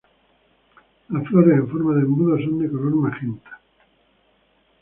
Las flores en forma de embudo son de color magenta.